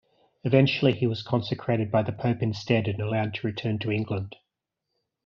Eventually, he was consecrated by the pope instead and allowed to return to England.